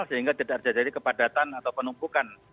sehingga tidak terjadi kepadatan atau penumpukan